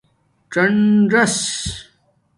څَنژاس